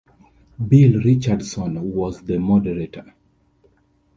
Bill Richardson was the moderator.